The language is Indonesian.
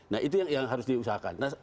nah itu yang harus diusahakan